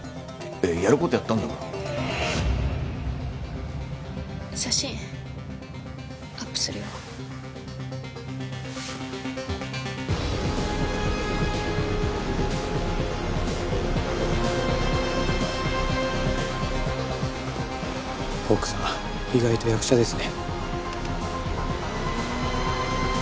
やることやったんだから写真アップするようん奥さん意外と役者ですね